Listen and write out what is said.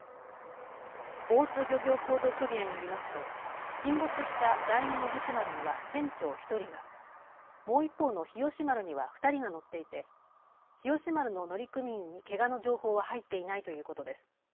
大津漁業協同組合によりますと沈没した第二野口丸には船長１人が、もう一方の日吉丸には２人が乗っていて日吉丸の乗組員にけがの情報は入っていないということです。